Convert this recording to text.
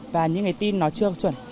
và những cái tin nó chưa chuẩn